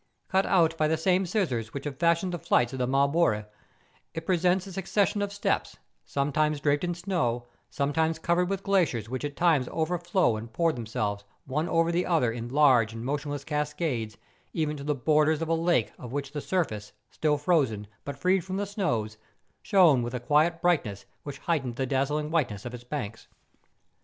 Cut out by the same scissors which have fashioned the flights of the Mar bore, it presents a succession of steps sometimes draped in snow, sometimes covered with glaciers which at times overflow and pour themselves one over the other in large and motionless cascades, even to the borders of a lake of which the surface, still frozen, but freed from the snows, shone with a quiet brightness which heightened the dazzling whiteness of its banks.